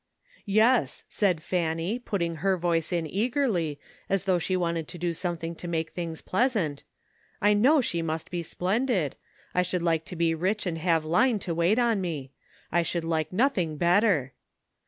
"* Yes,' said Fanny, putting her voice in eagerly, as though she wanted to do something to make things pleasant ;' 1 know she must be splendid ; I should like to be rich and have Line to wait on me. I should like nothing better.'